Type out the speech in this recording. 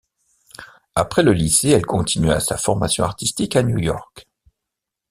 Après le lycée, elle continua sa formation artistique à New York.